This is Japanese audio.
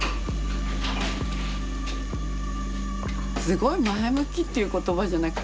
すごい前向きっていう言葉じゃなくて何ていうかな